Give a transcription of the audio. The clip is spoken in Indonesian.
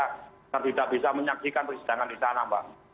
kita tidak bisa menyaksikan persidangan di sana mbak